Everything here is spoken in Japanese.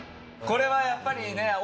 これはやっぱりね